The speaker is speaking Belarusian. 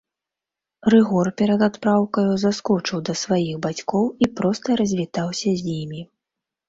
Рыгор перад адпраўкаю заскочыў да сваіх бацькоў і проста развітаўся з імі.